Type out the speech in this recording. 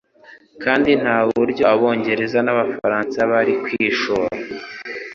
kandi nta buryo Abongereza n'Abafaransa bari kwishora